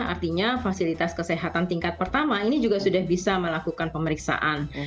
artinya fasilitas kesehatan tingkat pertama ini juga sudah bisa melakukan pemeriksaan